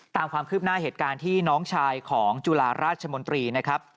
ตามความคืบหน้าเหตุการณ์ที่น้องชายของจุฬาราชมนตรีนะครับ